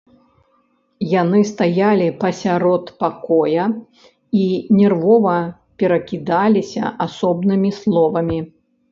Яны стаялі пасярод пакоя і нервова перакідаліся асобнымі словамі.